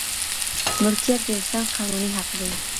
ملکيت د انسان قانوني حق دی.